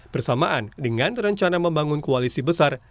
bersamaan dengan rencana membangun koalisi besar